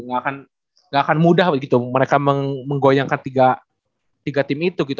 nggak akan mudah begitu mereka menggoyangkan tiga tim itu gitu